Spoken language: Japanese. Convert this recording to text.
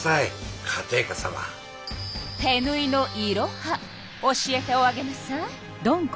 手ぬいのいろは教えておあげなさい。